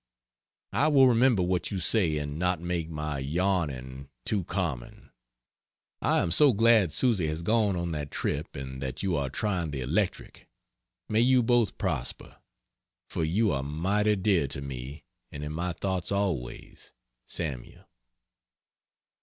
I will remember what you say and not make my yarning too common. I am so glad Susy has gone on that trip and that you are trying the electric. May you both prosper. For you are mighty dear to me and in my thoughts always. SAML.